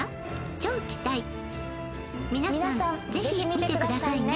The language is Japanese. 「超期待」「みなさんぜひ見てくださいね」